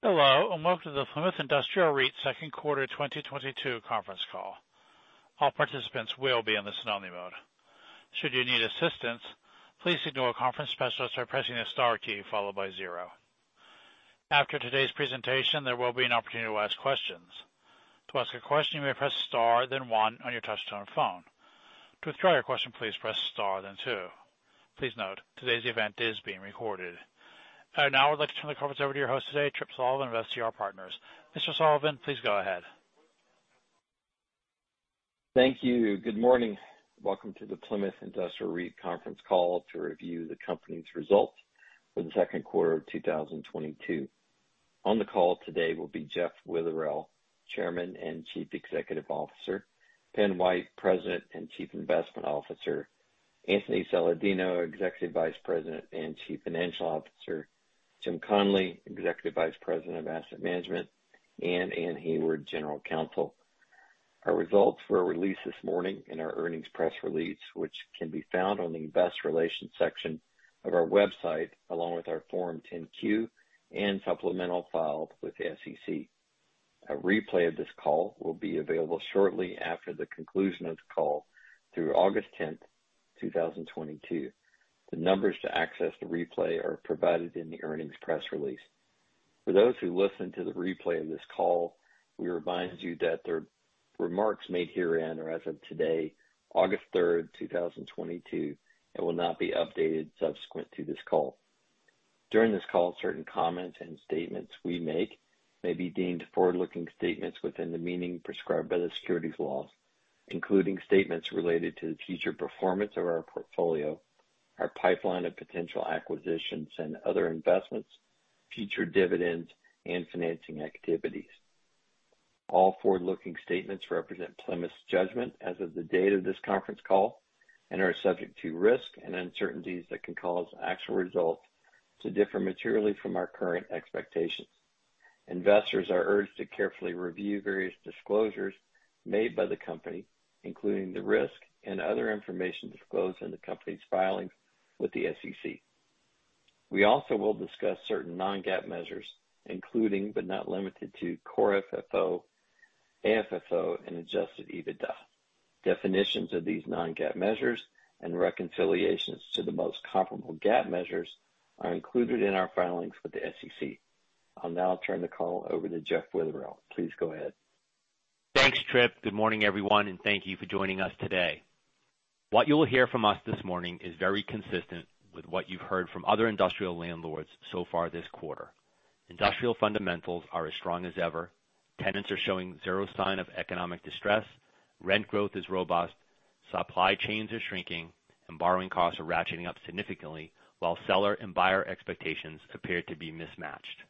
Hello, and welcome to the Plymouth Industrial REIT second quarter 2022 conference call. All participants will be in listen only mode. Should you need assistance, please signal a conference specialist by pressing the star key followed by zero. After today's presentation, there will be an opportunity to ask questions. To ask a question, you may press star then one on your touchtone phone. To withdraw your question, please press star then two. Please note today's event is being recorded. I would now like to turn the conference over to your host today, Tripp Sullivan of SCR Partners. Mr. Sullivan, please go ahead. Thank you. Good morning. Welcome to the Plymouth Industrial REIT conference call to review the company's results for the second quarter of 2022. On the call today will be Jeff Witherell, Chairman and Chief Executive Officer, Pen White, President and Chief Investment Officer, Anthony Saladino, Executive Vice President and Chief Financial Officer, James Connolly, Executive Vice President of Asset Management, and Anne Hayward, General Counsel. Our results were released this morning in our earnings press release, which can be found on the investor relations section of our website, along with our Form 10-Q and supplement filed with the SEC. A replay of this call will be available shortly after the conclusion of the call through August 10, 2022. The numbers to access the replay are provided in the earnings press release. For those who listen to the replay of this call, we remind you that the remarks made herein are as of today, August 3, 2022, and will not be updated subsequent to this call. During this call, certain comments and statements we make may be deemed forward-looking statements within the meaning prescribed by the securities laws, including statements related to the future performance of our portfolio, our pipeline of potential acquisitions and other investments, future dividends and financing activities. All forward-looking statements represent Plymouth's judgment as of the date of this conference call and are subject to risks and uncertainties that can cause actual results to differ materially from our current expectations. Investors are urged to carefully review various disclosures made by the company, including the risk and other information disclosed in the company's filings with the SEC. We also will discuss certain non-GAAP measures, including but not limited to Core FFO, AFFO and adjusted EBITDA. Definitions of these non-GAAP measures and reconciliations to the most comparable GAAP measures are included in our filings with the SEC. I'll now turn the call over to Jeff Witherell. Please go ahead. Thanks, Tripp. Good morning, everyone, and thank you for joining us today. What you will hear from us this morning is very consistent with what you've heard from other industrial landlords so far this quarter. Industrial fundamentals are as strong as ever. Tenants are showing zero sign of economic distress. Rent growth is robust. Supply chains are shrinking and borrowing costs are ratcheting up significantly, while seller and buyer expectations appear to be mismatched.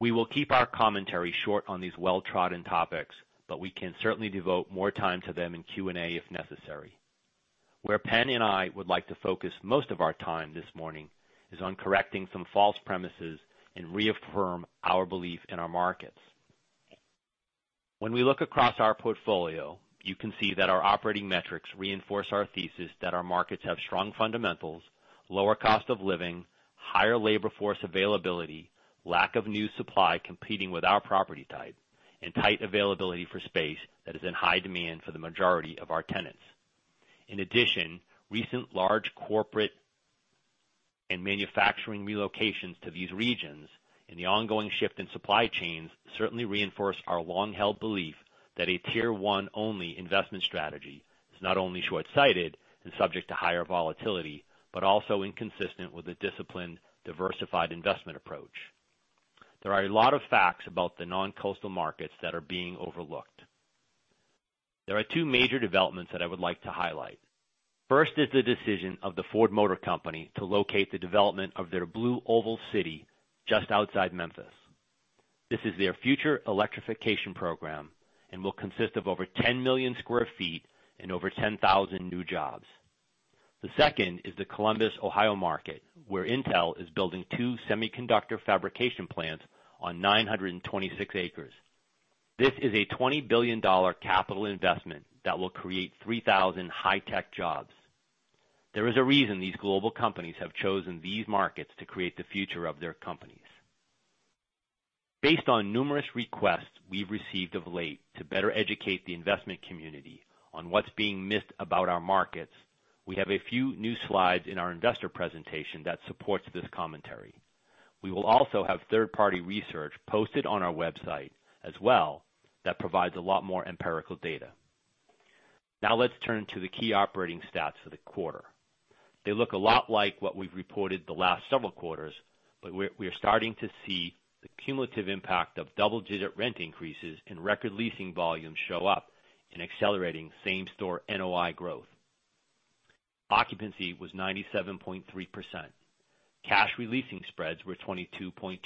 We will keep our commentary short on these well-trodden topics, but we can certainly devote more time to them in Q&A if necessary. Where Pen and I would like to focus most of our time this morning is on correcting some false premises and reaffirm our belief in our markets. When we look across our portfolio, you can see that our operating metrics reinforce our thesis that our markets have strong fundamentals, lower cost of living, higher labor force availability, lack of new supply competing with our property type, and tight availability for space that is in high demand for the majority of our tenants. In addition, recent large corporate and manufacturing relocations to these regions and the ongoing shift in supply chains certainly reinforce our long-held belief that a Tier One-only investment strategy is not only short-sighted and subject to higher volatility, but also inconsistent with a disciplined, diversified investment approach. There are a lot of facts about the non-coastal markets that are being overlooked. There are two major developments that I would like to highlight. First is the decision of the Ford Motor Company to locate the development of their BlueOval City just outside Memphis. This is their future electrification program and will consist of over 10 million sq ft and over 10,000 new jobs. The second is the Columbus, Ohio market, where Intel is building two semiconductor fabrication plants on 926 acres. This is a $20 billion capital investment that will create 3,000 high-tech jobs. There is a reason these global companies have chosen these markets to create the future of their companies. Based on numerous requests we've received of late to better educate the investment community on what's being missed about our markets, we have a few new slides in our investor presentation that supports this commentary. We will also have third party research posted on our website as well that provides a lot more empirical data. Now let's turn to the key operating stats for the quarter. They look a lot like what we've reported the last several quarters, but we're starting to see the cumulative impact of double digit rent increases and record leasing volumes show up in accelerating same store NOI growth. Occupancy was 97.3%. Cash re-leasing spreads were 22.2%.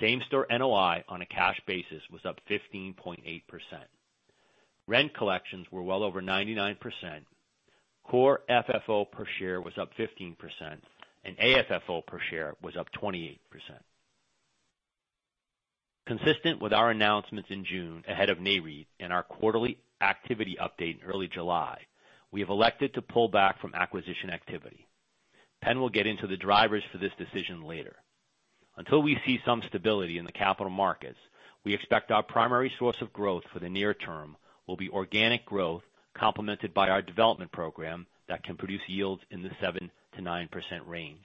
Same store NOI on a cash basis was up 15.8%. Rent collections were well over 99%. Core FFO per share was up 15% and AFFO per share was up 28%. Consistent with our announcements in June ahead of Nareit and our quarterly activity update in early July, we have elected to pull back from acquisition activity. Penn will get into the drivers for this decision later. Until we see some stability in the capital markets, we expect our primary source of growth for the near term will be organic growth complemented by our development program that can produce yields in the 7%-9% range.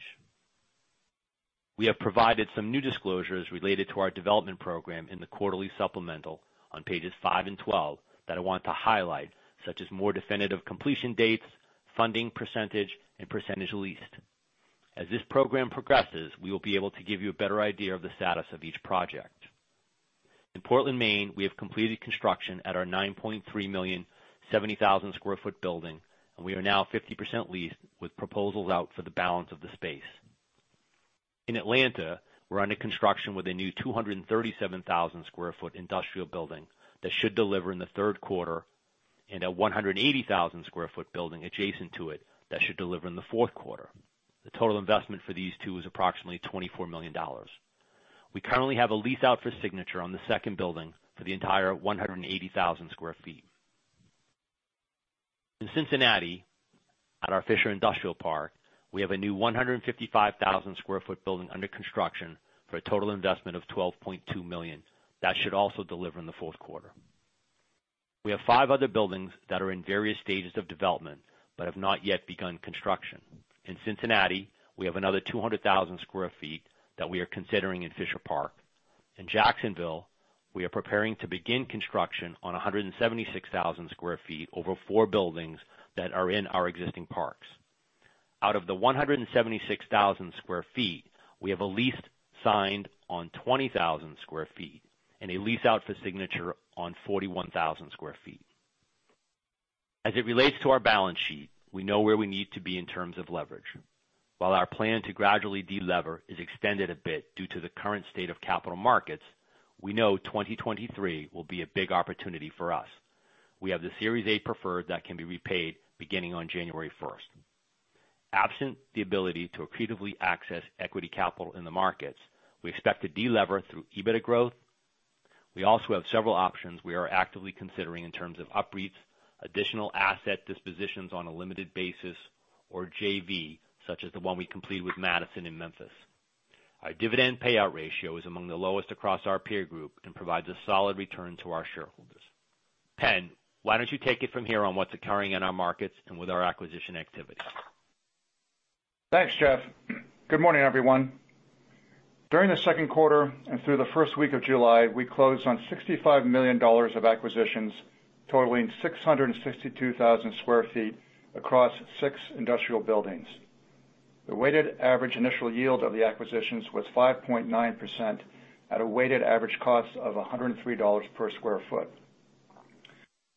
We have provided some new disclosures related to our development program in the quarterly supplemental on pages 5 and 12 that I want to highlight, such as more definitive completion dates, funding percentage, and percentage leased. As this program progresses, we will be able to give you a better idea of the status of each project. In Portland, Maine, we have completed construction at our 70,000 sq ft building, and we are now 50% leased with proposals out for the balance of the space. In Atlanta, we're under construction with a new 237,000 sq ft industrial building that should deliver in the third quarter, and a 180,000 sq ft building adjacent to it that should deliver in the fourth quarter. The total investment for these two is approximately $24 million. We currently have a lease out for signature on the second building for the entire 180,000 sq ft. In Cincinnati, at our Fisher Industrial Park, we have a new 155,000 sq ft building under construction for a total investment of $12.2 million. That should also deliver in the fourth quarter. We have five other buildings that are in various stages of development but have not yet begun construction. In Cincinnati, we have another 200,000 sq ft that we are considering in Fisher Park. In Jacksonville, we are preparing to begin construction on 176,000 sq ft over four buildings that are in our existing parks. Out of the 176,000 sq ft, we have a lease signed on 20,000 sq ft and a lease out for signature on 41,000 sq ft. As it relates to our balance sheet, we know where we need to be in terms of leverage. While our plan to gradually delever is extended a bit due to the current state of capital markets, we know 2023 will be a big opportunity for us. We have the Series A preferred that can be repaid beginning on January first. Absent the ability to accretively access equity capital in the markets, we expect to delever through EBIT growth. We also have several options we are actively considering in terms of UPREITs, additional asset dispositions on a limited basis, or JV such as the one we completed with Madison in Memphis. Our dividend payout ratio is among the lowest across our peer group and provides a solid return to our shareholders. Pen, why don't you take it from here on what's occurring in our markets and with our acquisition activity? Thanks, Jeff. Good morning, everyone. During the second quarter and through the first week of July, we closed on $65 million of acquisitions totaling 662,000 sq ft across 6 industrial buildings. The weighted average initial yield of the acquisitions was 5.9% at a weighted average cost of $103 per sq ft.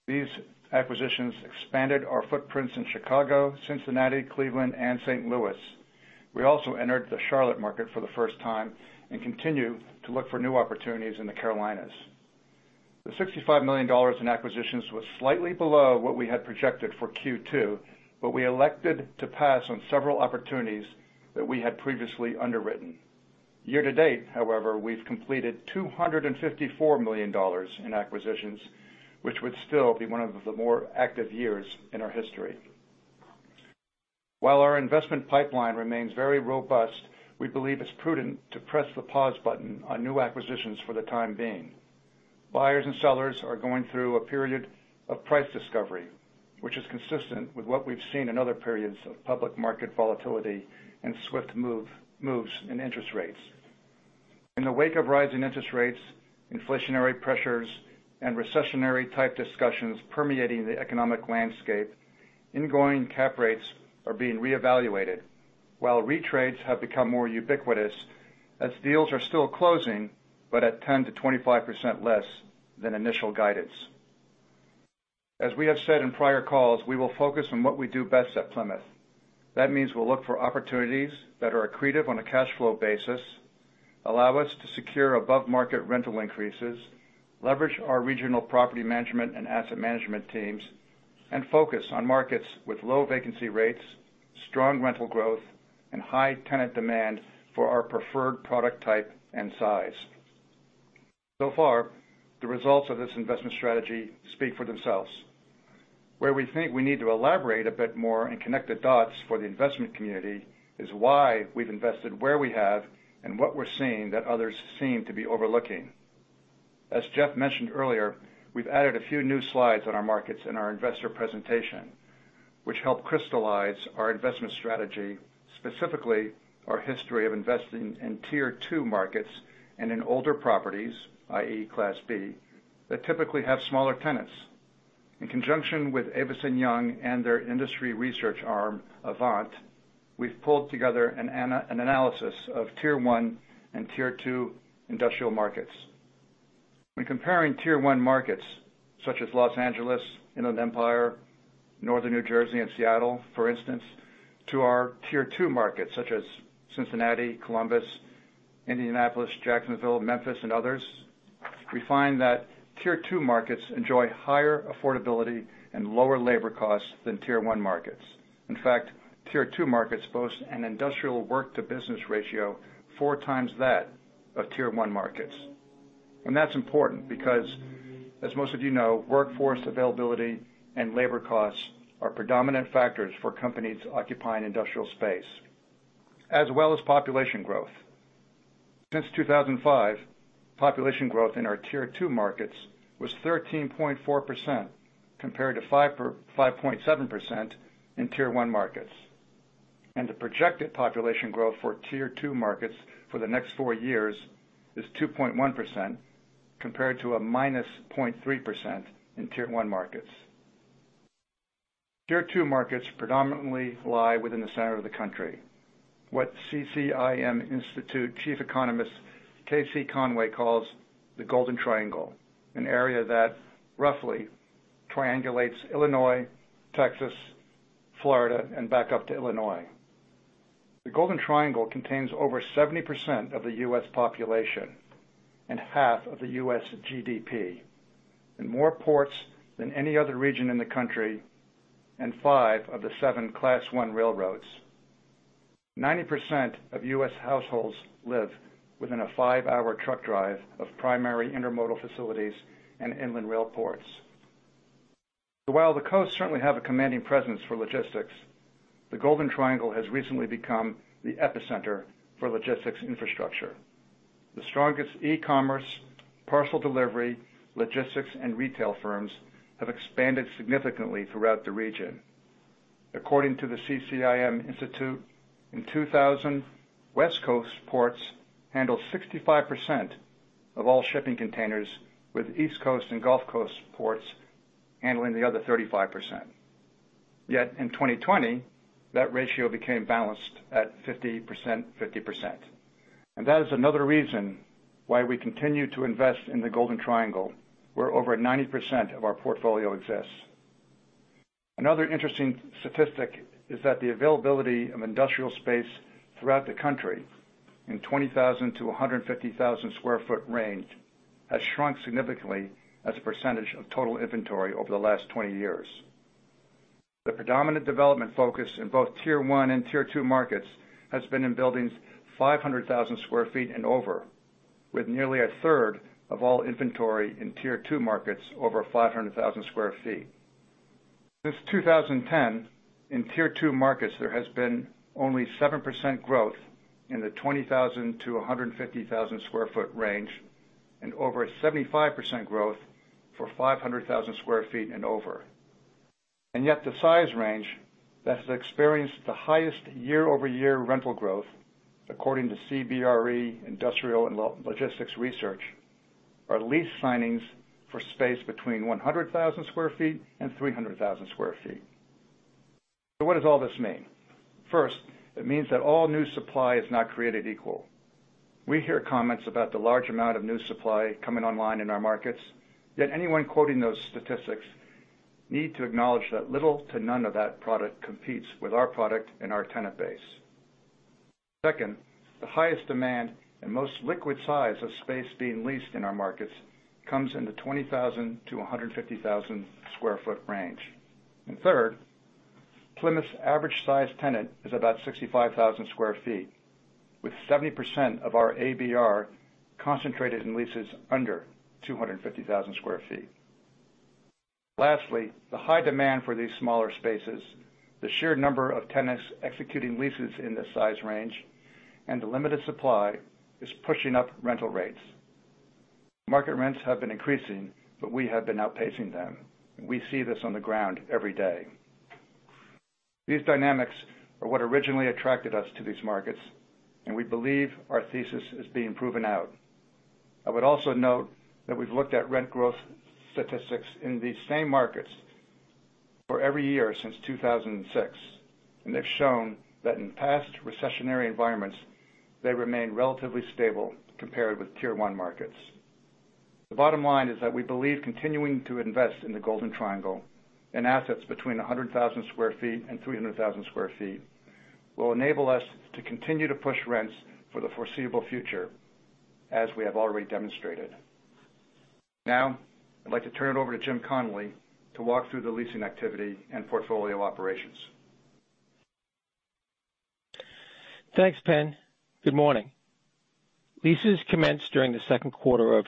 These acquisitions expanded our footprints in Chicago, Cincinnati, Cleveland, and St. Louis. We also entered the Charlotte market for the first time and continue to look for new opportunities in the Carolinas. The $65 million in acquisitions was slightly below what we had projected for Q2, but we elected to pass on several opportunities that we had previously underwritten. Year to date, however, we've completed $254 million in acquisitions, which would still be one of the more active years in our history. While our investment pipeline remains very robust, we believe it's prudent to press the pause button on new acquisitions for the time being. Buyers and sellers are going through a period of price discovery, which is consistent with what we've seen in other periods of public market volatility and swift moves in interest rates. In the wake of rising interest rates, inflationary pressures, and recessionary type discussions permeating the economic landscape, going-in cap rates are being reevaluated, while retrades have become more ubiquitous as deals are still closing but at 10%-25% less than initial guidance. As we have said in prior calls, we will focus on what we do best at Plymouth. That means we'll look for opportunities that are accretive on a cash flow basis, allow us to secure above-market rental increases, leverage our regional property management and asset management teams, and focus on markets with low vacancy rates, strong rental growth, and high tenant demand for our preferred product type and size. So far, the results of this investment strategy speak for themselves. Where we think we need to elaborate a bit more and connect the dots for the investment community is why we've invested where we have and what we're seeing that others seem to be overlooking. As Jeff mentioned earlier, we've added a few new slides on our markets in our investor presentation, which help crystallize our investment strategy, specifically our history of investing in Tier Two markets and in older properties, i.e., Class B, that typically have smaller tenants. In conjunction with Avison Young and their industry research arm, Avant, we've pulled together an analysis of Tier One and Tier Two industrial markets. When comparing Tier One markets, such as Los Angeles, Inland Empire, Northern New Jersey, and Seattle, for instance, to our Tier Two markets, such as Cincinnati, Columbus, Indianapolis, Jacksonville, Memphis, and others. We find that Tier Two markets enjoy higher affordability and lower labor costs than Tier One markets. In fact, Tier Two markets boast an industrial work-to-business ratio four times that of Tier One markets. That's important because, as most of you know, workforce availability and labor costs are predominant factors for companies occupying industrial space, as well as population growth. Since 2005, population growth in our Tier Two markets was 13.4% compared to 5.7% in Tier One markets. The projected population growth for Tier Two markets for the next four years is 2.1% compared to a -0.3% in Tier One markets. Tier Two markets predominantly lie within the center of the country. What CCIM Institute Chief Economist K.C. Conway calls the Golden Triangle, an area that roughly triangulates Illinois, Texas, Florida, and back up to Illinois. The Golden Triangle contains over 70% of the U.S. population and half of the U.S. GDP, and more ports than any other region in the country, and 5 of the 7 Class One railroads. 90% of U.S. households live within a five-hour truck drive of primary intermodal facilities and inland rail ports. While the coasts certainly have a commanding presence for logistics, the Golden Triangle has recently become the epicenter for logistics infrastructure. The strongest e-commerce, parcel delivery, logistics, and retail firms have expanded significantly throughout the region. According to the CCIM Institute, in 2000, West Coast ports handled 65% of all shipping containers, with East Coast and Gulf Coast ports handling the other 35%. Yet in 2020, that ratio became balanced at 50%, 50%. That is another reason why we continue to invest in the Golden Triangle, where over 90% of our portfolio exists. Another interesting statistic is that the availability of industrial space throughout the country in 20,000-150,000 sq ft range has shrunk significantly as a percentage of total inventory over the last 20 years. The predominant development focus in both Tier One and Tier Two markets has been in buildings 500,000 sq ft and over, with nearly a third of all inventory in Tier Two markets over 500,000 sq ft. Since 2010, in Tier Two markets, there has been only 7% growth in the 20,000-150,000 sq ft range and over 75% growth for 500,000 sq ft and over. Yet the size range that has experienced the highest year-over-year rental growth, according to CBRE Industrial and Logistics Research, are lease signings for space between 100,000 sq ft and 300,000 sq ft. What does all this mean? First, it means that all new supply is not created equal. We hear comments about the large amount of new supply coming online in our markets. Yet anyone quoting those statistics need to acknowledge that little to none of that product competes with our product and our tenant base. Second, the highest demand and most liquid size of space being leased in our markets comes in the 20,000-150,000 sq ft range. Third, Plymouth's average size tenant is about 65,000 sq ft, with 70% of our ABR concentrated in leases under 250,000 sq ft. Lastly, the high demand for these smaller spaces, the sheer number of tenants executing leases in this size range, and the limited supply is pushing up rental rates. Market rents have been increasing, but we have been outpacing them. We see this on the ground every day. These dynamics are what originally attracted us to these markets, and we believe our thesis is being proven out. I would also note that we've looked at rent growth statistics in these same markets for every year since 2006, and they've shown that in past recessionary environments, they remain relatively stable compared with Tier One markets. The bottom line is that we believe continuing to invest in the Golden Triangle in assets between 100,000 sq ft and 300,000 sq ft will enable us to continue to push rents for the foreseeable future, as we have already demonstrated. Now, I'd like to turn it over to James Connolly to walk through the leasing activity and portfolio operations. Thanks, Pen. Good morning. Leases commenced during the second quarter of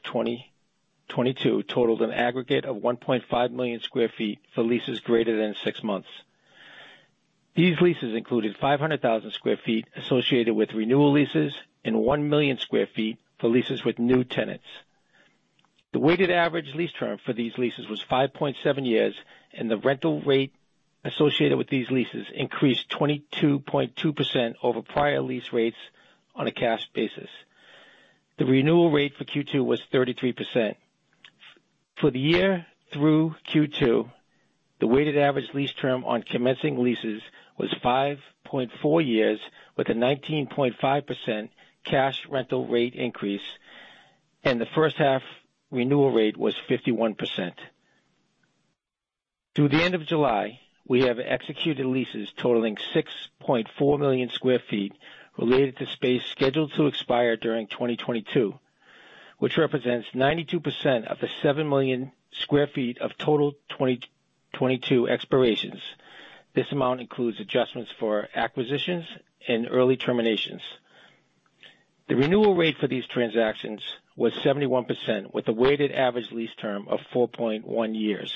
2022 totaled an aggregate of 1.5 million sq ft for leases greater than six months. These leases included 500,000 sq ft associated with renewal leases and 1 million sq ft for leases with new tenants. The weighted average lease term for these leases was 5.7 years, and the rental rate associated with these leases increased 22.2% over prior lease rates on a cash basis. The renewal rate for Q2 was 33%. For the year through Q2, the weighted average lease term on commencing leases was 5.4 years with a 19.5% cash rental rate increase, and the first half renewal rate was 51%. Through the end of July, we have executed leases totaling 6.4 million sq ft related to space scheduled to expire during 2022, which represents 92% of the 7 million sq ft of total 2022 expirations. This amount includes adjustments for acquisitions and early terminations. The renewal rate for these transactions was 71%, with a weighted average lease term of 4.1 years.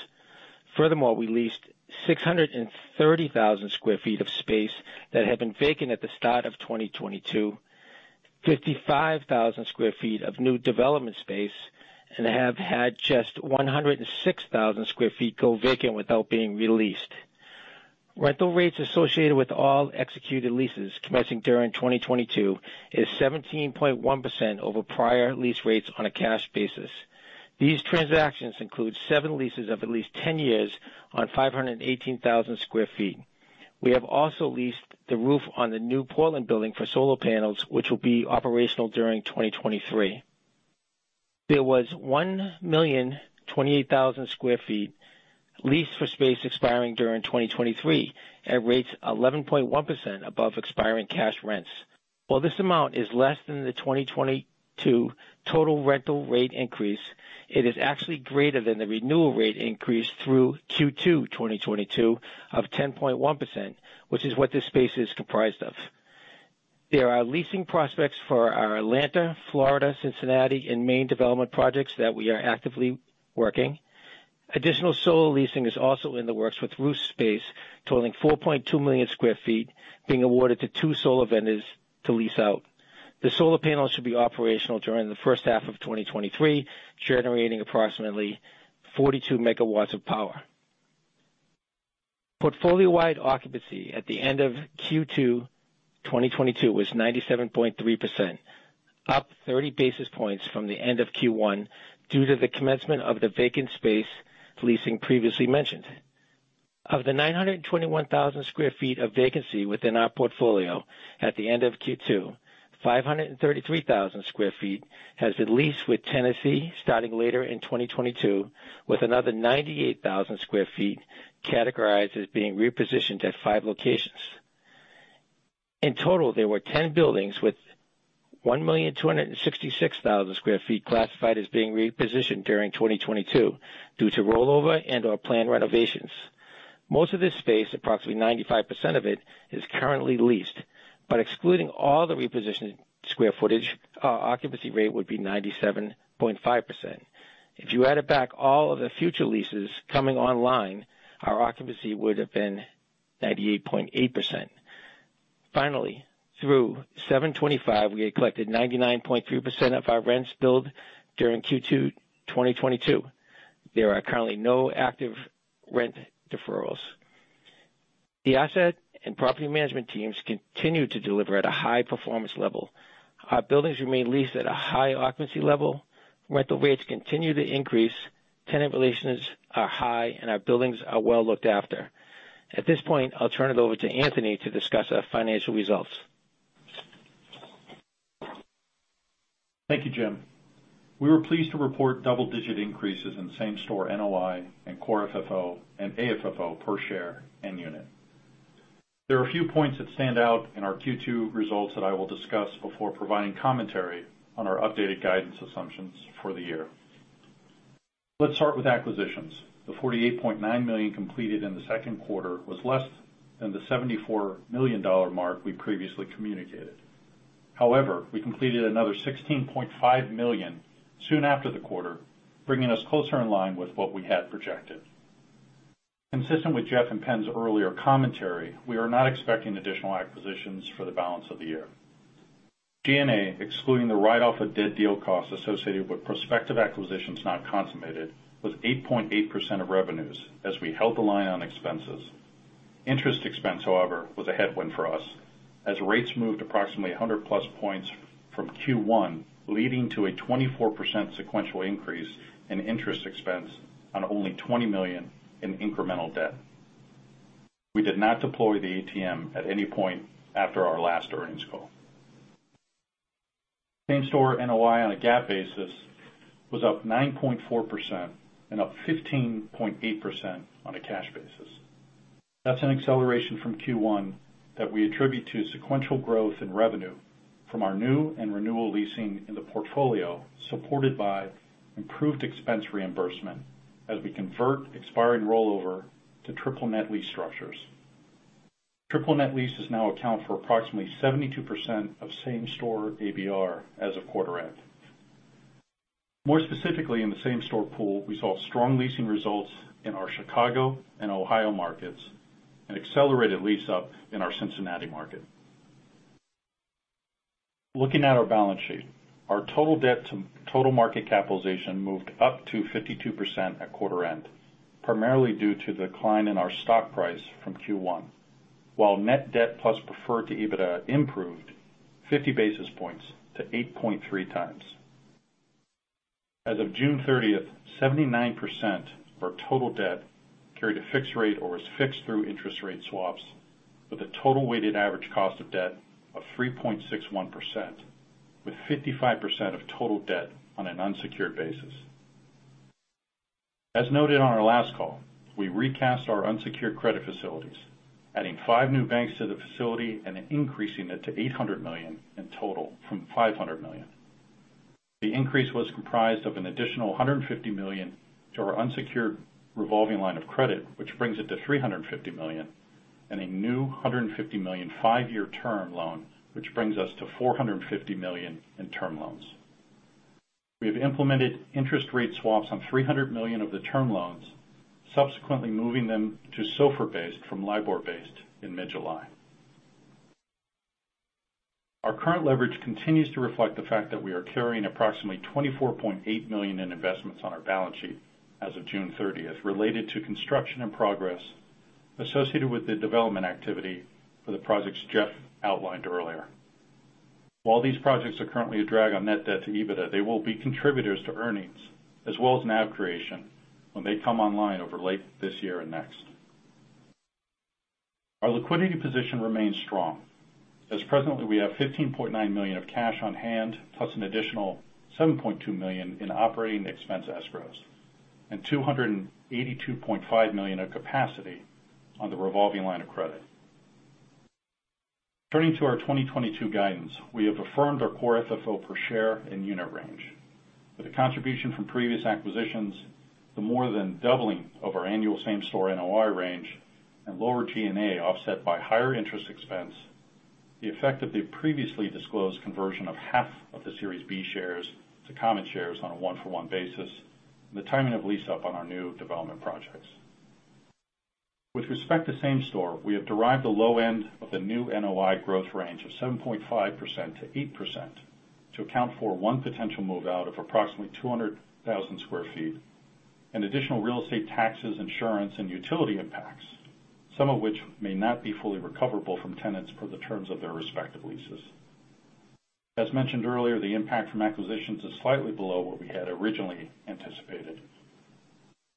Furthermore, we leased 630,000 sq ft of space that had been vacant at the start of 2022, 55,000 sq ft of new development space, and have had just 106,000 sq ft go vacant without being re-leased. Rental rates associated with all executed leases commencing during 2022 is 17.1% over prior lease rates on a cash basis. These transactions include seven leases of at least 10 years on 518,000 sq ft. We have also leased the roof on the new Portland building for solar panels, which will be operational during 2023. There was 1,028,000 sq ft leased for space expiring during 2023 at rates 11.1% above expiring cash rents. While this amount is less than the 2022 total rental rate increase, it is actually greater than the renewal rate increase through Q2 2022 of 10.1%, which is what this space is comprised of. There are leasing prospects for our Atlanta, Florida, Cincinnati, and Maine development projects that we are actively working. Additional solar leasing is also in the works, with roof space totaling 4.2 million sq ft being awarded to two solar vendors to lease out. The solar panels should be operational during the first half of 2023, generating approximately 42 MW of power. Portfolio-wide occupancy at the end of Q2 2022 was 97.3%, up 30 basis points from the end of Q1 due to the commencement of the vacant space leasing previously mentioned. Of the 921,000 sq ft of vacancy within our portfolio at the end of Q2, 533,000 sq ft has been leased with tenancy starting later in 2022, with another 98,000 sq ft categorized as being repositioned at five locations. In total, there were 10 buildings with 1,266,000 sq ft classified as being repositioned during 2022 due to rollover and/or planned renovations. Most of this space, approximately 95% of it, is currently leased, but excluding all the repositioned square footage, our occupancy rate would be 97.5%. If you added back all of the future leases coming online, our occupancy would have been 98.8%. Finally, through 7/25, we had collected 99.3% of our rents billed during Q2 2022. There are currently no active rent deferrals. The asset and property management teams continue to deliver at a high performance level. Our buildings remain leased at a high occupancy level. Rental rates continue to increase. Tenant relations are high, and our buildings are well looked after. At this point, I'll turn it over to Anthony to discuss our financial results. Thank you, Jim. We were pleased to report double-digit increases in same-store NOI and core FFO and AFFO per share and unit. There are a few points that stand out in our Q2 results that I will discuss before providing commentary on our updated guidance assumptions for the year. Let's start with acquisitions. The $48.9 million completed in the second quarter was less than the $74 million mark we previously communicated. However, we completed another $16.5 million soon after the quarter, bringing us closer in line with what we had projected. Consistent with Jeff and Penn's earlier commentary, we are not expecting additional acquisitions for the balance of the year. G&A, excluding the write-off of dead deal costs associated with prospective acquisitions not consummated, was 8.8% of revenues as we held the line on expenses. Interest expense, however, was a headwind for us as rates moved approximately 100+ points from Q1, leading to a 24% sequential increase in interest expense on only $20 million in incremental debt. We did not deploy the ATM at any point after our last earnings call. Same-store NOI on a GAAP basis was up 9.4% and up 15.8% on a cash basis. That's an acceleration from Q1 that we attribute to sequential growth in revenue from our new and renewal leasing in the portfolio, supported by improved expense reimbursement as we convert expiring rollover to triple net lease structures. Triple net lease now account for approximately 72% of same-store ABR as of quarter end. More specifically, in the same-store pool, we saw strong leasing results in our Chicago and Ohio markets, and accelerated lease-up in our Cincinnati market. Looking at our balance sheet, our total debt to total market capitalization moved up to 52% at quarter end, primarily due to the decline in our stock price from Q1. While net debt plus preferred to EBITDA improved 50 basis points to 8.3x. As of June 30, 79% of our total debt carried a fixed rate or was fixed through interest rate swaps, with a total weighted average cost of debt of 3.61%. With 55% of total debt on an unsecured basis. As noted on our last call, we recast our unsecured credit facilities, adding 5 new banks to the facility and increasing it to $800 million in total from $500 million. The increase was comprised of an additional $150 million to our unsecured revolving line of credit, which brings it to $350 million and a new $150 million five-year term loan, which brings us to $450 million in term loans. We have implemented interest rate swaps on $300 million of the term loans, subsequently moving them to SOFR-based from LIBOR-based in mid-July. Our current leverage continues to reflect the fact that we are carrying approximately $24.8 million in investments on our balance sheet as of June thirtieth, related to construction and progress associated with the development activity for the projects Jeff outlined earlier. While these projects are currently a drag on net debt to EBITDA, they will be contributors to earnings as well as NAV creation when they come online over late this year and next. Our liquidity position remains strong as presently we have $15.9 million of cash on hand, plus an additional $7.2 million in operating expense escrows and $282.5 million of capacity on the revolving line of credit. Turning to our 2022 guidance, we have affirmed our Core FFO per share and unit range. With a contribution from previous acquisitions, the more than doubling of our annual same-store NOI range and lower G&A offset by higher interest expense, the effect of the previously disclosed conversion of half of the Series B shares to common shares on a one-for-one basis, the timing of lease up on our new development projects. With respect to same store, we have derived the low end of the new NOI growth range of 7.5%-8% to account for one potential move out of approximately 200,000 sq ft and additional real estate taxes, insurance and utility impacts, some of which may not be fully recoverable from tenants per the terms of their respective leases. As mentioned earlier, the impact from acquisitions is slightly below what we had originally anticipated,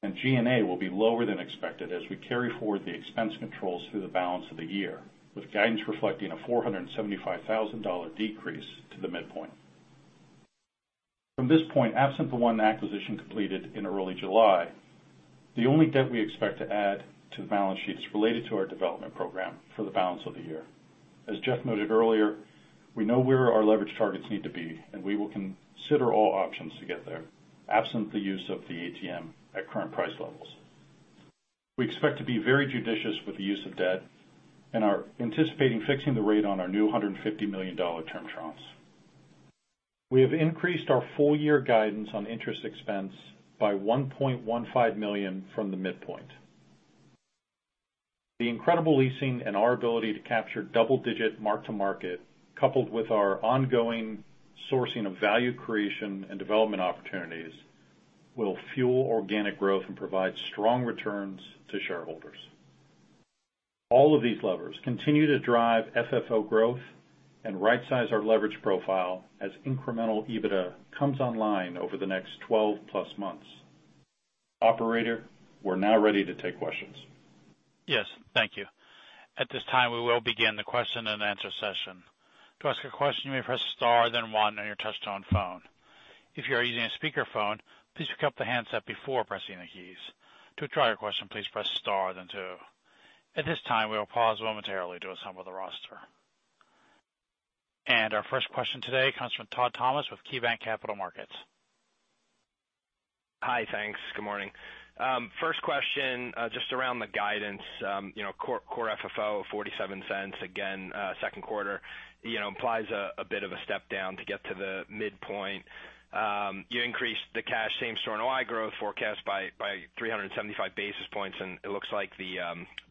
and G&A will be lower than expected as we carry forward the expense controls through the balance of the year, with guidance reflecting a $475,000 decrease to the midpoint. From this point, absent the one acquisition completed in early July, the only debt we expect to add to the balance sheet is related to our development program for the balance of the year. As Jeff noted earlier, we know where our leverage targets need to be, and we will consider all options to get there absent the use of the ATM at current price levels. We expect to be very judicious with the use of debt and are anticipating fixing the rate on our new $150 million term tranches. We have increased our full-year guidance on interest expense by $1.15 million from the midpoint. The incredible leasing and our ability to capture double-digit mark-to-market, coupled with our ongoing sourcing of value creation and development opportunities, will fuel organic growth and provide strong returns to shareholders. All of these levers continue to drive FFO growth and rightsize our leverage profile as incremental EBITDA comes online over the next 12+ months. Operator, we're now ready to take questions. Yes, thank you. At this time, we will begin the question-and-answer session. To ask a question, you may press star then one on your touchtone phone. If you are using a speakerphone, please pick up the handset before pressing the keys. To withdraw your question, please press star then two. At this time, we will pause momentarily to assemble the roster. Our first question today comes from Todd Thomas with KeyBanc Capital Markets. Hi. Thanks. Good morning. First question, just around the guidance, you know, Core FFO of $0.47, again, second quarter, you know, implies a bit of a step down to get to the midpoint. You increased the cash same-store NOI growth forecast by 375 basis points, and it looks like the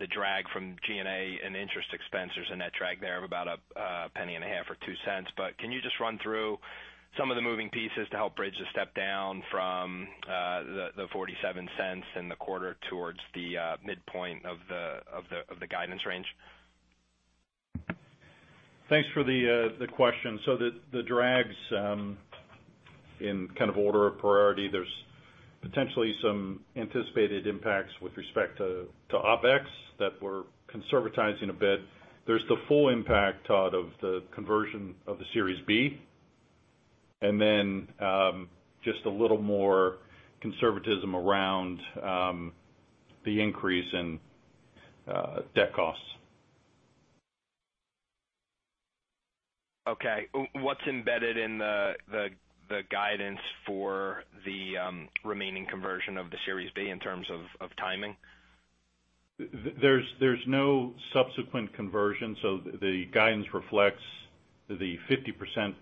drag from G&A and interest expense, there's a net drag there of about $0.015 or $0.02. Can you just run through some of the moving pieces to help bridge the step down from the $0.47 in the quarter towards the midpoint of the guidance range? Thanks for the question. The drags in kind of order of priority, there's potentially some anticipated impacts with respect to OpEx that we're conservatizing a bit. There's the full impact, Todd, of the conversion of the Series B and then just a little more conservatism around the increase in debt costs. Okay. What's embedded in the guidance for the remaining conversion of the Series B in terms of timing? There's no subsequent conversion, so the guidance reflects the 50%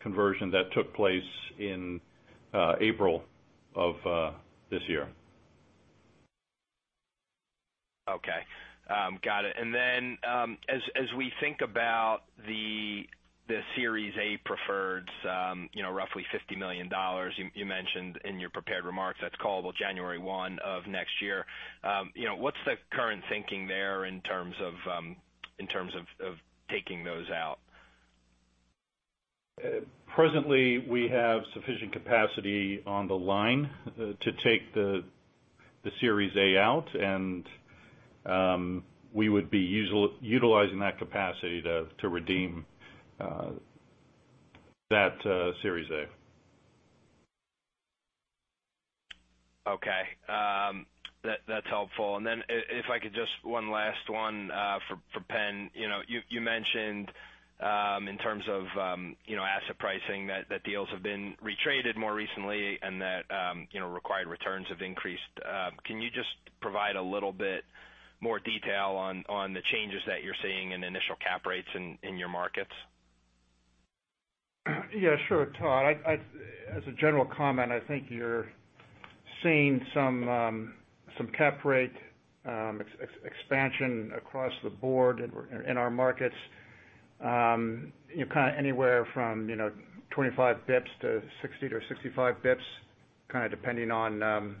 conversion that took place in April of this year. Okay. Got it. As we think about the Series A preferreds, you know, roughly $50 million you mentioned in your prepared remarks that's callable January 1 of next year. You know, what's the current thinking there in terms of taking those out? Presently we have sufficient capacity on the line to take the The Series A out. We would be utilizing that capacity to redeem that Series A. Okay. That's helpful. If I could just one last one for Pen. You know, you mentioned in terms of you know, asset pricing, that deals have been retraded more recently and that you know, required returns have increased. Can you just provide a little bit more detail on the changes that you're seeing in initial cap rates in your markets? Yeah, sure, Todd. As a general comment, I think you're seeing some cap rate expansion across the board in our markets, you know, kind of anywhere from 25 basis points to 60 or 65 basis points, kind of depending on the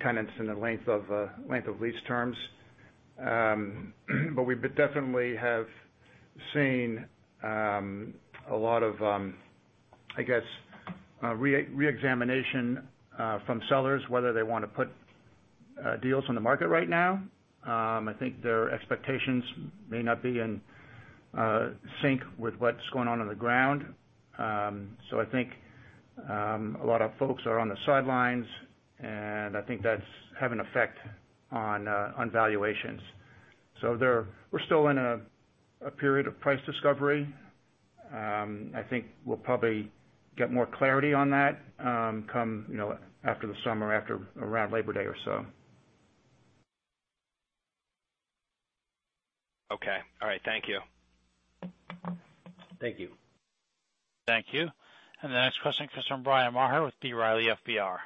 tenants and the length of lease terms. We definitely have seen a lot of, I guess, reexamination from sellers, whether they wanna put deals on the market right now. I think their expectations may not be in sync with what's going on on the ground. I think a lot of folks are on the sidelines, and I think that's having an effect on valuations. We're still in a period of price discovery. I think we'll probably get more clarity on that, you know, after the summer, after around Labor Day or so. Okay. All right. Thank you. Thank you. Thank you. The next question comes from Bryan Maher with B. Riley Securities.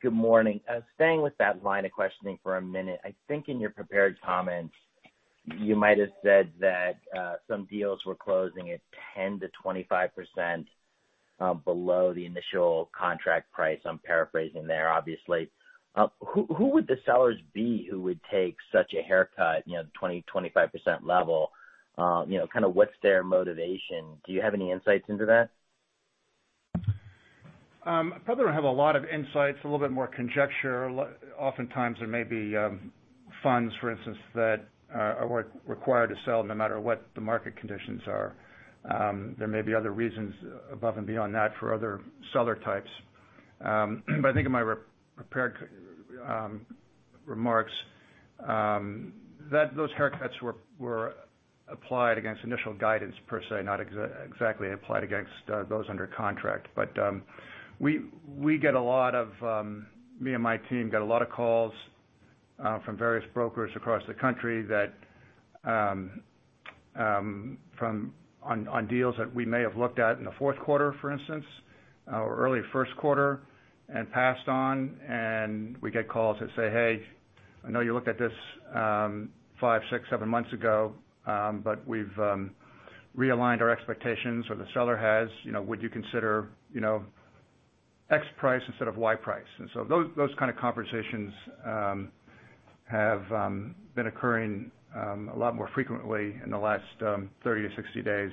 Good morning. Staying with that line of questioning for a minute. I think in your prepared comments, you might have said that some deals were closing at 10%-25% below the initial contract price. I'm paraphrasing there, obviously. Who would the sellers be who would take such a haircut, you know, 20%-25% level? You know, kind of what's their motivation? Do you have any insights into that? Probably don't have a lot of insights, a little bit more conjecture. Oftentimes there may be funds, for instance, that are required to sell no matter what the market conditions are. There may be other reasons above and beyond that for other seller types. I think in my prepared remarks, that those haircuts were applied against initial guidance per se, not exactly applied against those under contract. We get a lot of Me and my team get a lot of calls from various brokers across the country on deals that we may have looked at in the fourth quarter, for instance, or early first quarter and passed on, and we get calls that say, "Hey, I know you looked at this 5, 6, 7 months ago, but we've realigned our expectations or the seller has. You know, would you consider, you know, X price instead of Y price?" Those kind of conversations have been occurring a lot more frequently in the last 30-60 days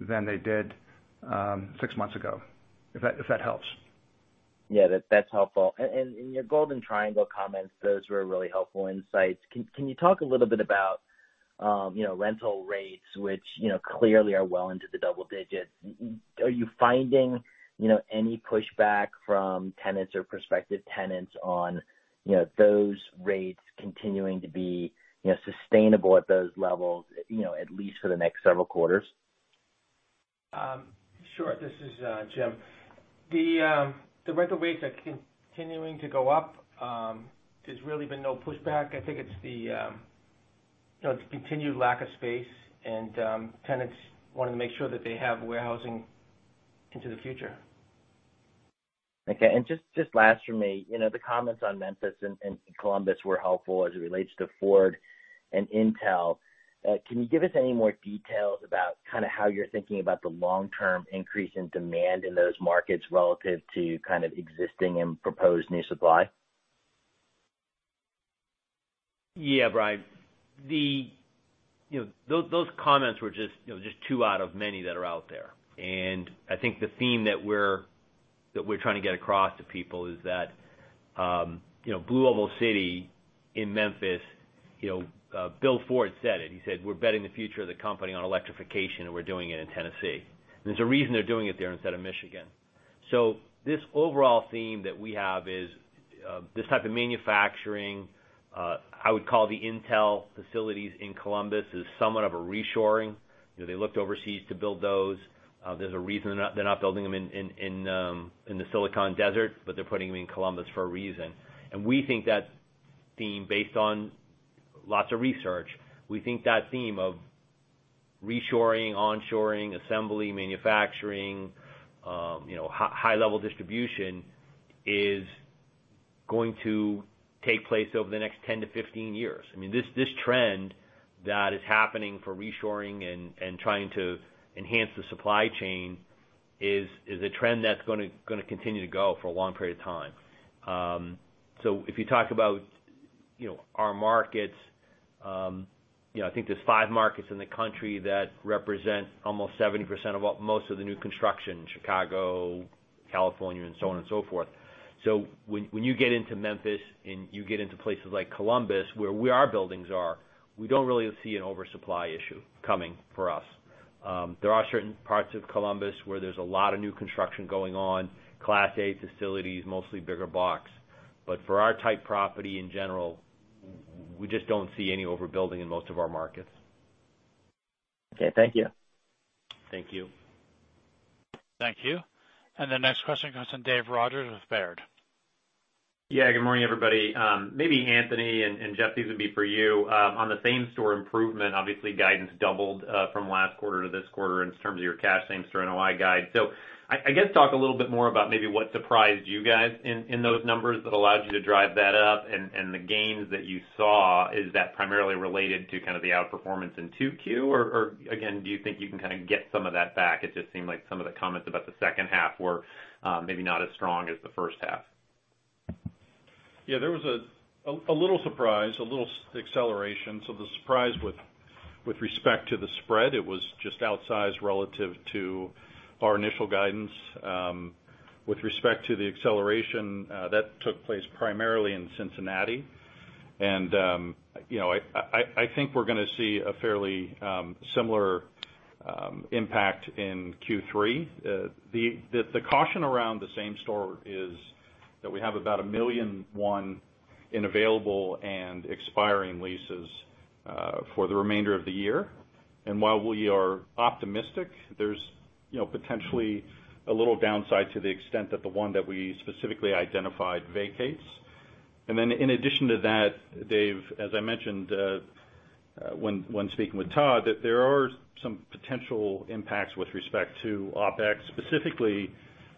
than they did 6 months ago, if that helps. Yeah, that's helpful. In your Golden Triangle comments, those were really helpful insights. Can you talk a little bit about, you know, rental rates, which, you know, clearly are well into the double digits? Are you finding, you know, any pushback from tenants or prospective tenants on, you know, those rates continuing to be, you know, sustainable at those levels, you know, at least for the next several quarters? Sure. This is Jim. The rental rates are continuing to go up. There's really been no pushback. I think it's the, you know, it's continued lack of space and tenants wanna make sure that they have warehousing into the future. Okay. Just last from me, you know, the comments on Memphis and Columbus were helpful as it relates to Ford and Intel. Can you give us any more details about kinda how you're thinking about the long-term increase in demand in those markets relative to kind of existing and proposed new supply? Yeah, Brian. You know, those comments were just, you know, just two out of many that are out there. I think the theme that we're trying to get across to people is that, you know, BlueOval City in Memphis, you know, Bill Ford said it. He said, "We're betting the future of the company on electrification, and we're doing it in Tennessee." There's a reason they're doing it there instead of Michigan. This overall theme that we have is this type of manufacturing, I would call the Intel facilities in Columbus, is somewhat of a reshoring. You know, they looked overseas to build those. There's a reason they're not building them in the Silicon Desert, but they're putting them in Columbus for a reason. We think that theme, based on lots of research, we think that theme of reshoring, onshoring, assembly, manufacturing, you know, high level distribution is going to take place over the next 10-15 years. I mean, this trend that is happening for reshoring and trying to enhance the supply chain is a trend that's gonna continue to go for a long period of time. If you talk about You know, our markets, you know, I think there's five markets in the country that represent almost 70% of what most of the new construction, Chicago, California, and so on and so forth. When you get into Memphis and you get into places like Columbus, where our buildings are, we don't really see an oversupply issue coming for us. There are certain parts of Columbus where there's a lot of new construction going on, Class A facilities, mostly bigger box. For our type property in general, we just don't see any overbuilding in most of our markets. Okay, thank you. Thank you. Thank you. The next question comes from David Rodgers with Baird. Yeah, good morning, everybody. Maybe Anthony and Jeff, these would be for you. On the same-store improvement, obviously guidance doubled, from last quarter to this quarter in terms of your cash same-store NOI guide. I guess talk a little bit more about maybe what surprised you guys in those numbers that allowed you to drive that up and the gains that you saw, is that primarily related to kind of the outperformance in 2Q? Or, again, do you think you can kinda get some of that back? It just seemed like some of the comments about the second half were, maybe not as strong as the first half. Yeah, there was a little surprise, a little acceleration. The surprise with respect to the spread, it was just outsized relative to our initial guidance. With respect to the acceleration, that took place primarily in Cincinnati. You know, I think we're gonna see a fairly similar impact in Q3. The caution around the same store is that we have about 1.1 million in available and expiring leases for the remainder of the year. While we are optimistic, there's you know, potentially a little downside to the extent that the one that we specifically identified vacates. In addition to that, Dave, as I mentioned, when speaking with Todd, that there are some potential impacts with respect to OpEx, specifically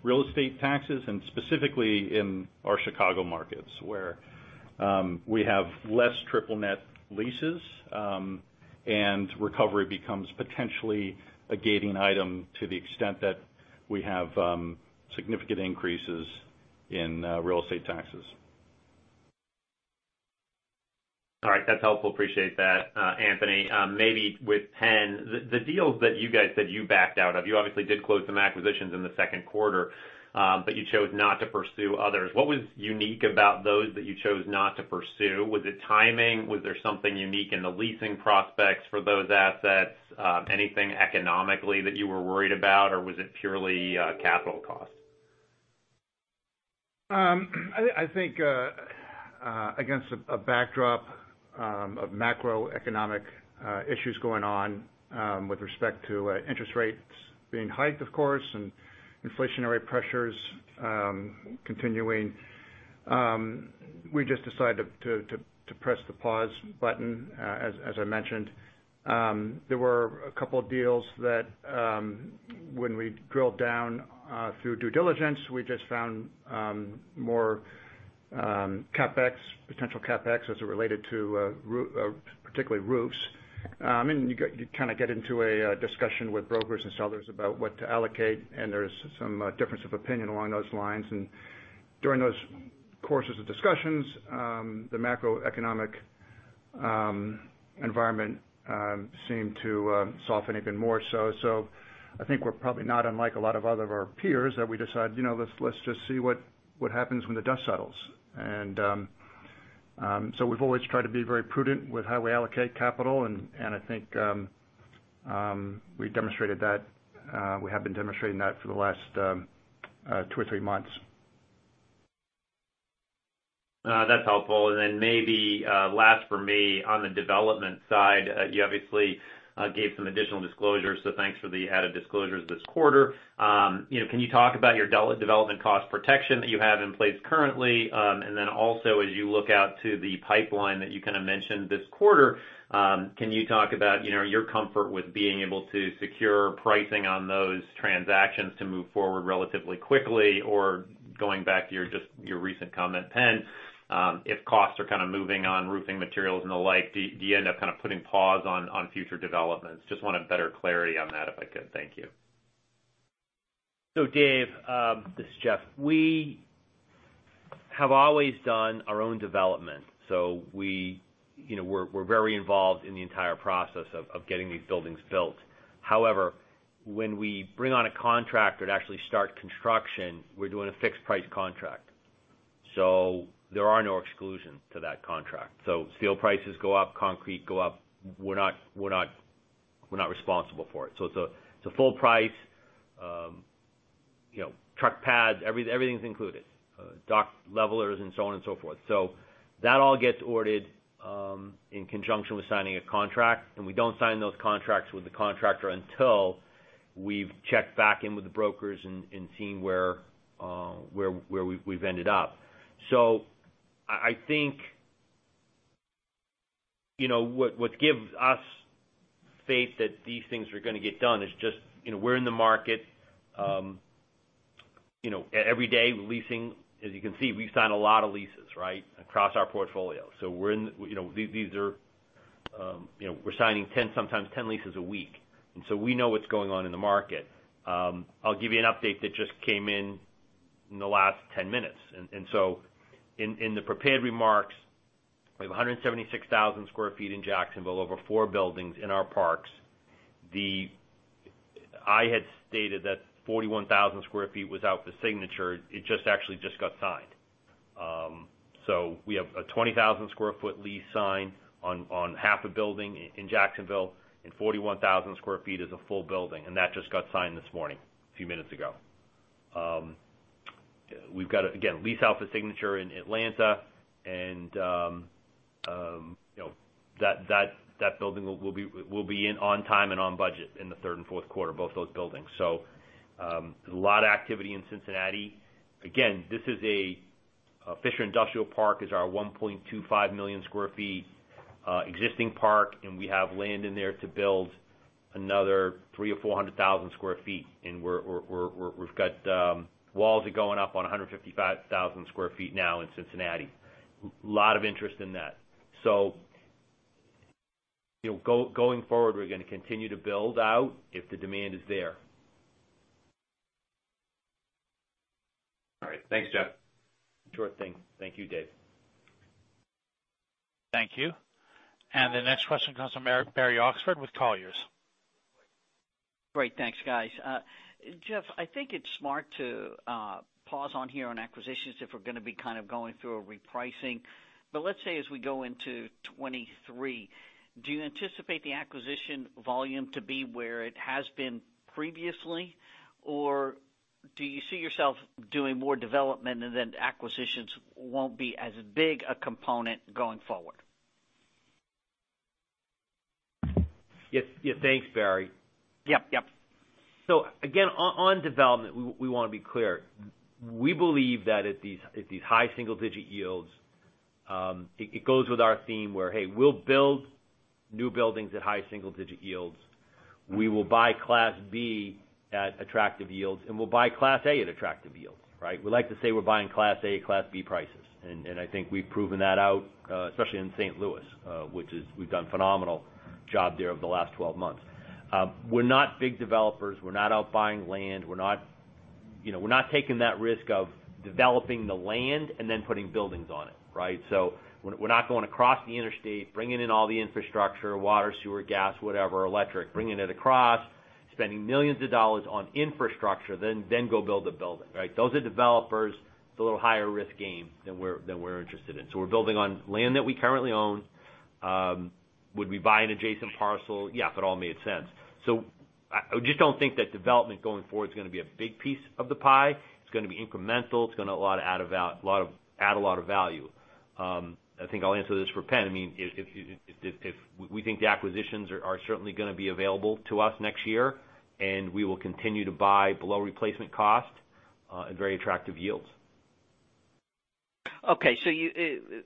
real estate taxes and specifically in our Chicago markets, where we have less triple net leases, and recovery becomes potentially a gating item to the extent that we have significant increases in real estate taxes. All right. That's helpful. Appreciate that, Anthony. Maybe with Pen, the deals that you guys said you backed out of, you obviously did close some acquisitions in the second quarter, but you chose not to pursue others. What was unique about those that you chose not to pursue? Was it timing? Was there something unique in the leasing prospects for those assets? Anything economically that you were worried about, or was it purely capital costs? I think against a backdrop of macroeconomic issues going on with respect to interest rates being hiked, of course, and inflationary pressures continuing, we just decided to press the pause button, as I mentioned. There were a couple of deals that when we drilled down through due diligence, we just found more potential CapEx as it related to particularly roofs. You kinda get into a discussion with brokers and sellers about what to allocate, and there's some difference of opinion along those lines. During those courses of discussions, the macroeconomic environment seemed to soften even more so. I think we're probably not unlike a lot of other of our peers that we decide, you know, let's just see what happens when the dust settles. We've always tried to be very prudent with how we allocate capital, and I think we demonstrated that we have been demonstrating that for the last two or three months. That's helpful. Maybe last for me, on the development side, you obviously gave some additional disclosures, so thanks for the added disclosures this quarter. You know, can you talk about your development cost protection that you have in place currently? As you look out to the pipeline that you kinda mentioned this quarter, can you talk about, you know, your comfort with being able to secure pricing on those transactions to move forward relatively quickly? Going back to your just, your recent comment, Pen, if costs are kinda moving on roofing materials and the like, do you end up kinda putting pause on future developments? Just wanted better clarity on that if I could. Thank you. Dave, this is Jeff. We have always done our own development, so we, you know, we're very involved in the entire process of getting these buildings built. However, when we bring on a contractor to actually start construction, we're doing a fixed price contract. There are no exclusions to that contract. Steel prices go up, concrete go up, we're not responsible for it. It's a full price, you know, truck pad, everything's included, dock levelers and so on and so forth. That all gets ordered in conjunction with signing a contract, and we don't sign those contracts with the contractor until we've checked back in with the brokers and seen where we've ended up. I think, you know, what gives us faith that these things are gonna get done is just, you know, we're in the market every day leasing. As you can see, we've signed a lot of leases, right, across our portfolio. We're in, you know, these are You know, we're signing 10, sometimes 10 leases a week, and so we know what's going on in the market. I'll give you an update that just came in in the last 10 minutes. In the prepared remarks, we have 176,000 sq ft in Jacksonville, over four buildings in our parks. I had stated that 41,000 sq ft was out for signature. It just actually just got signed. We have a 20,000 sq ft lease signed on half a building in Jacksonville, and 41,000 sq ft is a full building, and that just got signed this morning a few minutes ago. We've got, again, lease out for signature in Atlanta and, you know, that building will be in on time and on budget in the third and fourth quarter, both those buildings. There's a lot of activity in Cincinnati. Again, this is a Fisher Industrial Park is our 1.25 million sq ft existing park, and we have land in there to build another 300,000 or 400,000 sq ft. We've got walls are going up on 155,000 sq ft now in Cincinnati. A lot of interest in that. You know, going forward, we're gonna continue to build out if the demand is there. All right. Thanks, Jeff. Sure thing. Thank you, Dave. Thank you. The next question comes from Barry Oxford with Colliers. Great. Thanks, guys. Jeff, I think it's smart to pause on here on acquisitions if we're gonna be kind of going through a repricing. Let's say as we go into 2023, do you anticipate the acquisition volume to be where it has been previously? Or do you see yourself doing more development and then acquisitions won't be as big a component going forward? Yes. Yeah, thanks, Barry. Yep, yep. Again, on development, we wanna be clear. We believe that at these high single-digit yields, it goes with our theme where, hey, we'll build new buildings at high single-digit yields. We will buy Class B at attractive yields, and we'll buy Class A at attractive yields, right? We like to say we're buying Class A at Class B prices. I think we've proven that out, especially in St. Louis, which is we've done phenomenal job there over the last 12 months. We're not big developers. We're not out buying land. We're not, you know, we're not taking that risk of developing the land and then putting buildings on it, right? We're not going across the interstate, bringing in all the infrastructure, water, sewer, gas, whatever, electric, bringing it across, spending millions of dollars on infrastructure, then go build the building, right? Those are developers. It's a little higher risk game than we're interested in. We're building on land that we currently own. Would we buy an adjacent parcel? Yeah, if it all made sense. I just don't think that development going forward is gonna be a big piece of the pie. It's gonna be incremental. It's gonna add a lot of value. I think I'll answer this for Penn. I mean, if. We think the acquisitions are certainly gonna be available to us next year, and we will continue to buy below replacement cost at very attractive yields. Okay. You,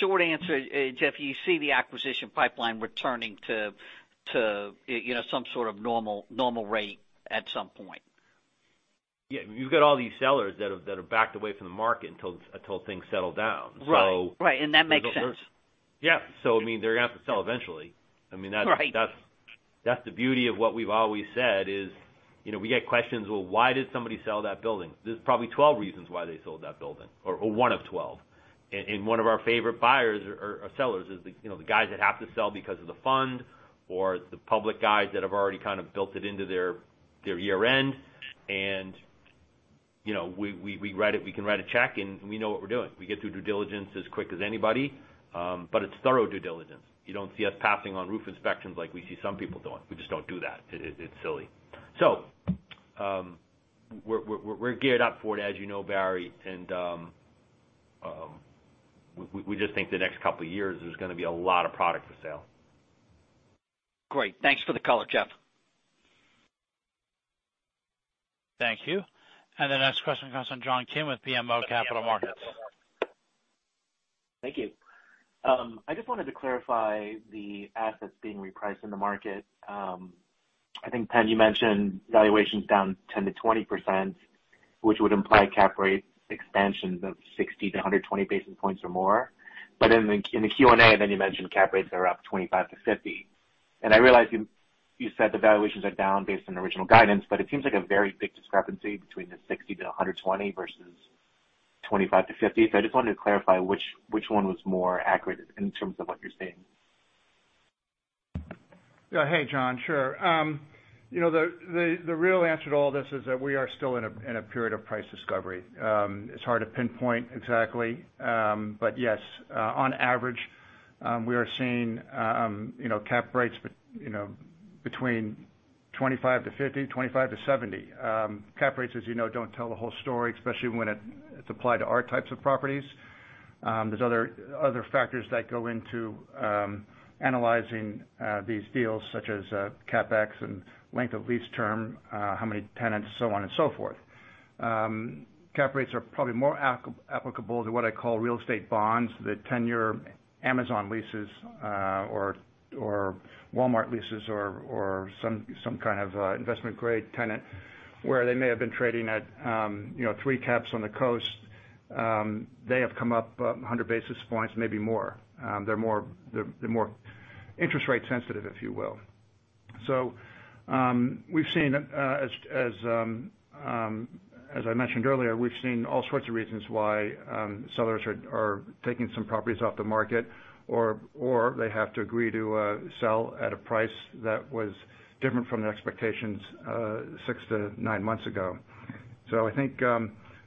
short answer, Jeff, you see the acquisition pipeline returning to, you know, some sort of normal rate at some point? Yeah. You've got all these sellers that have backed away from the market until things settle down. Right. So- Right, that makes sense. Yeah. I mean, they're gonna have to sell eventually. I mean, that's. Right. That's the beauty of what we've always said is, you know, we get questions, well, why did somebody sell that building? There's probably 12 reasons why they sold that building or one of 12. One of our favorite buyers or sellers is the, you know, the guys that have to sell because of the fund or the public guys that have already kind of built it into their year-end. You know, we write it, we can write a check, and we know what we're doing. We get through due diligence as quick as anybody, but it's thorough due diligence. You don't see us passing on roof inspections like we see some people doing. We just don't do that. It's silly. We're geared up for it, as you know, Barry. We just think the next couple of years, there's gonna be a lot of product for sale. Great. Thanks for the color, Jeff. Thank you. The next question comes from John Kim with BMO Capital Markets. Thank you. I just wanted to clarify the assets being repriced in the market. I think, Penn, you mentioned valuations down 10%-20%, which would imply cap rate expansions of 60-120 basis points or more. In the Q&A, then you mentioned cap rates are up 25-50. I realize you said the valuations are down based on original guidance, but it seems like a very big discrepancy between the 60-120 versus 25-50. I just wanted to clarify which one was more accurate in terms of what you're seeing. Yeah. Hey, John. Sure. You know, the real answer to all this is that we are still in a period of price discovery. It's hard to pinpoint exactly. But yes, on average, we are seeing, you know, cap rates, you know, between 2.5%-5.0%, 2.5%-7.0%. Cap rates, as you know, don't tell the whole story, especially when it's applied to our types of properties. There's other factors that go into analyzing these deals, such as CapEx and length of lease term, how many tenants, so on and so forth. Cap rates are probably more applicable to what I call real estate bonds, the ten-year Amazon leases, or Walmart leases or some kind of investment-grade tenant, where they may have been trading at, you know, 3 caps on the coast. They have come up 100 basis points, maybe more. They're more interest rate sensitive, if you will. We've seen, as I mentioned earlier, all sorts of reasons why sellers are taking some properties off the market, or they have to agree to sell at a price that was different from their expectations 6-9 months ago. I think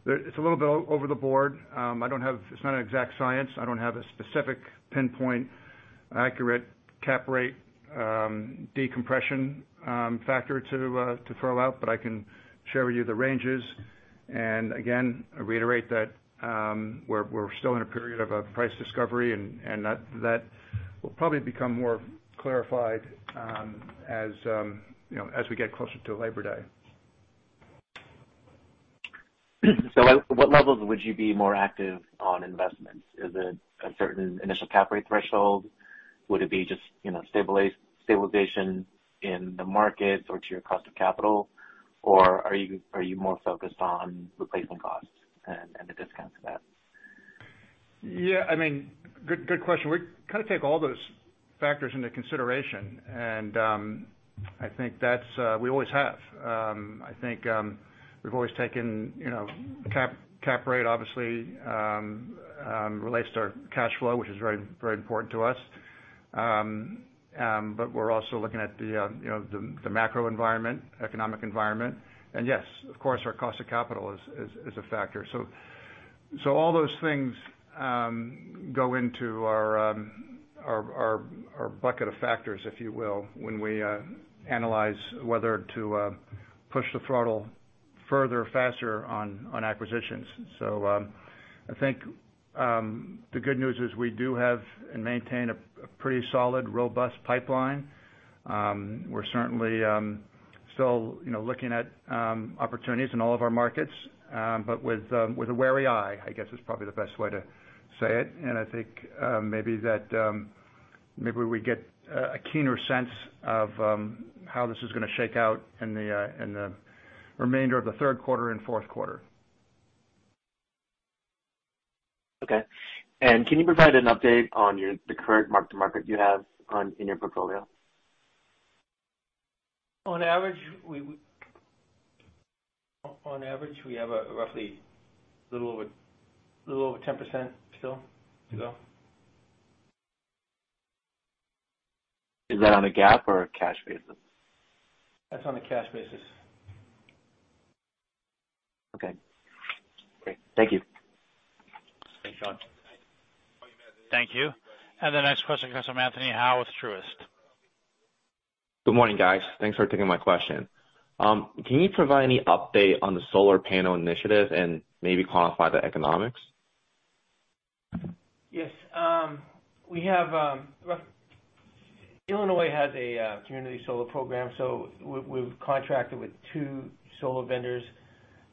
it's a little bit overboard. It's not an exact science. I don't have a specific pinpoint accurate cap rate compression factor to throw out, but I can share with you the ranges. I reiterate that we're still in a period of price discovery, and that will probably become more clarified as you know as we get closer to Labor Day. At what levels would you be more active on investments? Is it a certain initial cap rate threshold? Would it be just, you know, stabilization in the markets or to your cost of capital? Or are you more focused on replacement costs and the discount to that? Yeah. I mean, good question. We kind of take all those factors into consideration, and I think we always have. I think we've always taken, you know, cap rate, obviously, relates to our cash flow, which is very important to us. But we're also looking at, you know, the macro environment, economic environment. Yes, of course our cost of capital is a factor. All those things go into our bucket of factors, if you will, when we analyze whether to push the throttle further, faster on acquisitions. I think the good news is we do have and maintain a pretty solid, robust pipeline. We're certainly still, you know, looking at opportunities in all of our markets, but with a wary eye, I guess is probably the best way to say it. I think maybe we get a keener sense of how this is gonna shake out in the remainder of the third quarter and fourth quarter. Okay. Can you provide an update on the current mark-to-market you have in your portfolio? On average, we have a roughly little over 10% still to go. Is that on a GAAP or a cash basis? That's on a cash basis. Okay. Great. Thank you. Thanks, Sean. Thank you. The next question comes from Anthony Hau with Truist. Good morning, guys. Thanks for taking my question. Can you provide any update on the solar panel initiative and maybe quantify the economics? Yes. We have Illinois has a community solar program, so we've contracted with two solar vendors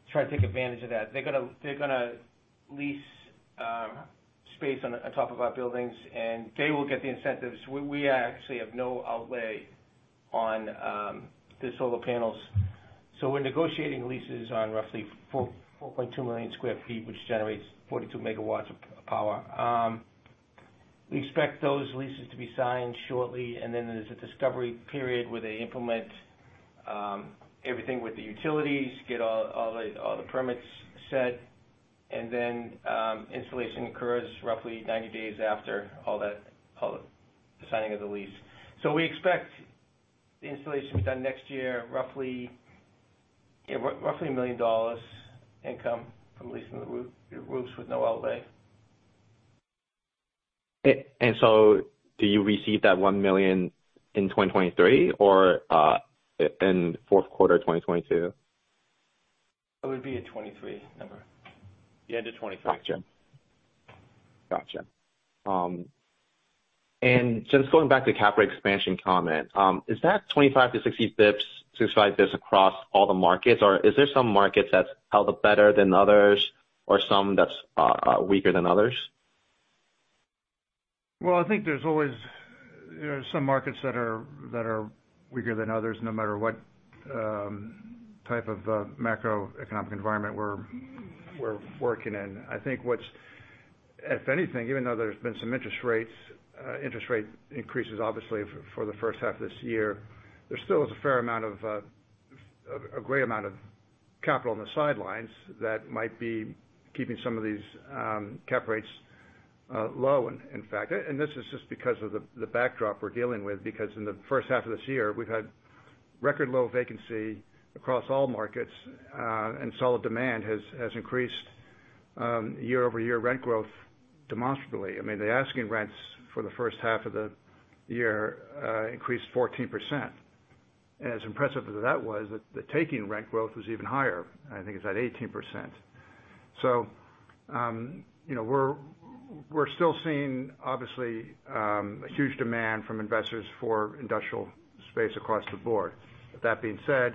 to try to take advantage of that. They're gonna lease space on top of our buildings, and they will get the incentives. We actually have no outlay on the solar panels. We're negotiating leases on roughly 4.2 million sq ft, which generates 42 MW of power. We expect those leases to be signed shortly, and then there's a discovery period where they implement everything with the utilities, get all the permits set. Installation occurs roughly 90 days after all that, the signing of the lease. We expect the installation to be done next year, roughly, yeah, roughly $1 million income from leasing the roof, the roofs with no outlay. Do you receive that $1 million in 2023 or in fourth quarter 2022? That would be a 23 number. The end of 2023. Gotcha. Just going back to the cap rate expansion comment, is that 25-60 basis points, 65 basis points across all the markets? Or is there some markets that's held up better than others or some that's weaker than others? Well, I think there's always. There are some markets that are weaker than others, no matter what type of macroeconomic environment we're working in. I think what's if anything, even though there's been some interest rate increases, obviously for the first half of this year, there still is a fair amount of a great amount of capital on the sidelines that might be keeping some of these cap rates low in fact. This is just because of the backdrop we're dealing with, because in the first half of this year, we've had record low vacancy across all markets, and solid demand has increased year-over-year rent growth demonstrably. I mean, the asking rents for the first half of the year increased 14%. As impressive as that was, the taking rent growth was even higher. I think it's at 18%. You know, we're still seeing, obviously, a huge demand from investors for industrial space across the board. But that being said,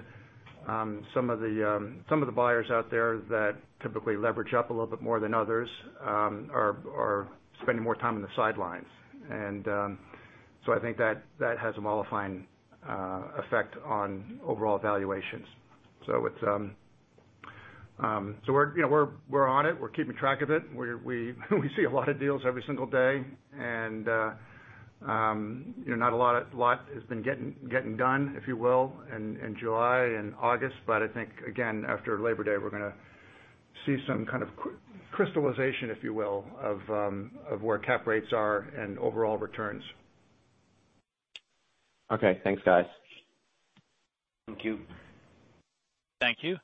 some of the buyers out there that typically leverage up a little bit more than others are spending more time on the sidelines. I think that has a mollifying effect on overall valuations. We're, you know, on it. We're keeping track of it. We see a lot of deals every single day. You know, not a lot has been getting done, if you will, in July and August. I think, again, after Labor Day, we're gonna see some kind of crystallization, if you will, of where cap rates are and overall returns. Okay. Thanks, guys. Thank you. Thank you.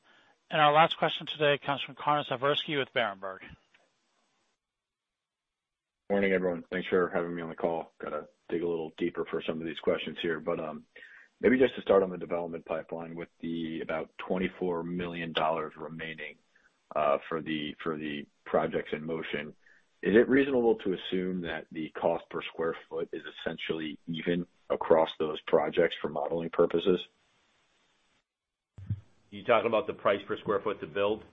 Our last question today comes from Connor Siversky with Berenberg. Morning, everyone. Thanks for having me on the call. Gotta dig a little deeper for some of these questions here. Maybe just to start on the development pipeline with the about $24 million remaining, for the projects in motion, is it reasonable to assume that the cost per square foot is essentially even across those projects for modeling purposes? You talking about the price per square foot to build,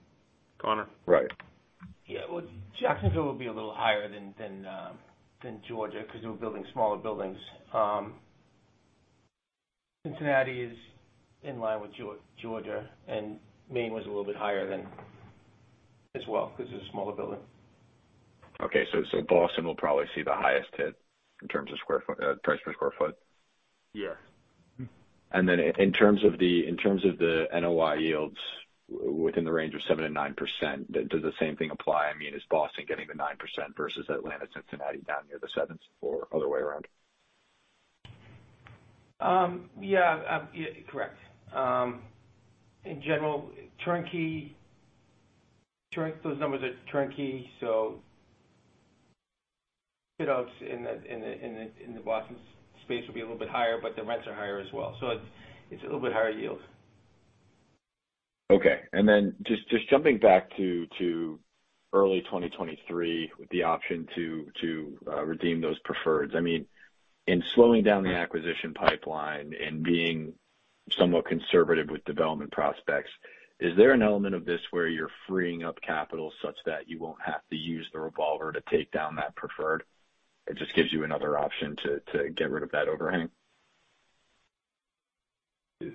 Connor? Right. Yeah. Well, Jacksonville will be a little higher than Georgia because we're building smaller buildings. Cincinnati is in line with Georgia, and Maine was a little bit higher than as well because it's a smaller building. Boston will probably see the highest hit in terms of price per square foot. Yeah. In terms of the NOI yields within the range of 7%-9%, does the same thing apply? I mean, is Boston getting the 9% versus Atlanta, Cincinnati down near the 7% or other way around? Correct. In general, those numbers are turnkey, so fit outs in the Boston space will be a little bit higher, but the rents are higher as well. It's a little bit higher yields. Okay. Just jumping back to early 2023 with the option to redeem those preferreds. I mean, in slowing down the acquisition pipeline and being somewhat conservative with development prospects, is there an element of this where you're freeing up capital such that you won't have to use the revolver to take down that preferred? It just gives you another option to get rid of that overhang.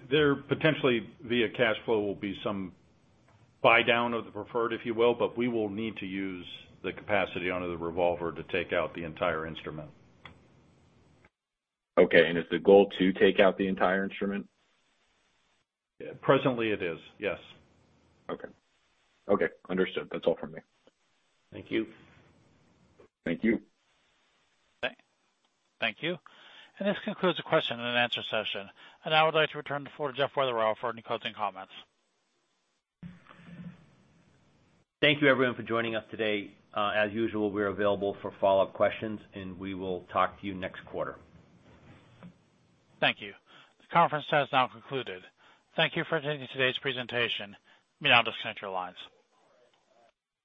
There potentially via cash flow will be some buy down of the preferred, if you will, but we will need to use the capacity under the revolver to take out the entire instrument. Okay. Is the goal to take out the entire instrument? Presently it is, yes. Okay. Okay. Understood. That's all from me. Thank you. Thank you. Okay. Thank you. This concludes the question-and-answer session. I would like to return the floor to Jeffrey Witherell for any closing comments. Thank you everyone for joining us today. As usual, we're available for follow-up questions, and we will talk to you next quarter. Thank you. The conference has now concluded. Thank you for attending today's presentation. You may now disconnect your lines.